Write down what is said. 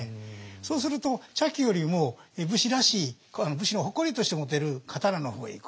そうすると茶器よりも武士らしい武士の誇りとして持てる刀の方へいく。